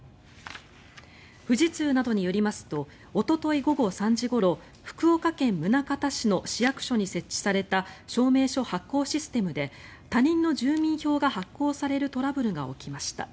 富士通などによりますとおととい午後３時ごろ福岡県宗像市の市役所に設置された証明書発行システムで他人の住民票が発行されるトラブルが起きました。